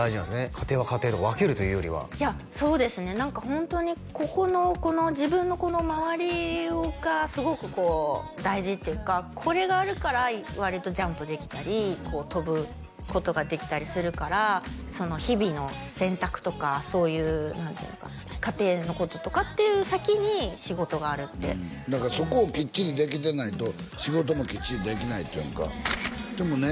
家庭は家庭で分けるというよりはそうですね何かホントにここの自分の周りがすごくこう大事っていうかこれがあるから割とジャンプできたりこう跳ぶことができたりするから日々の洗濯とかそういう何ていうのかな家庭のこととかっていう先に仕事があるってだからそこをきっちりできてないと仕事もきっちりできないっていうかでもね